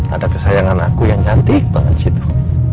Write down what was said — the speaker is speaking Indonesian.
ada kesayangan aku yang cantik banget sih tuh